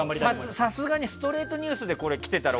さすがにストレートニュースでこれを着てたら